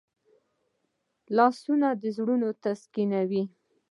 لاسونه زړونه تسکینوي